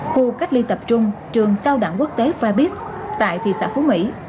khu cách ly tập trung trường cao đẳng quốc tế fibis tại thị xã phú mỹ